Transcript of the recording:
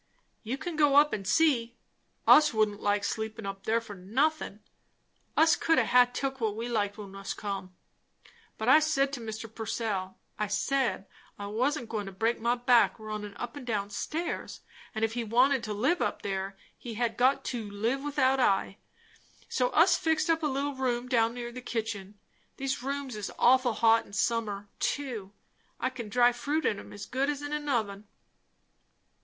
"You can go up and see. Us wouldn't sleep up there for nothin'. Us could ha' took what we liked when us come; but I said to Mr. Purcell, I said, I wasn't goin' to break my back runnin' up and down stairs; and if he wanted to live up there, he had got to live without I. So us fixed up a little room down near the kitchen. These rooms is awful hot in summer, too. I can dry fruit in 'em as good as in an oven."